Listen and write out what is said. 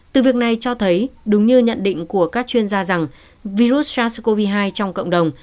từ việc này cho thấy đúng như nhận định của các chuyên gia rằng virus sars cov hai trong cộng đồng